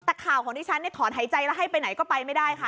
แต่ข่าวของดิฉันถอนหายใจแล้วให้ไปไหนก็ไปไม่ได้ค่ะ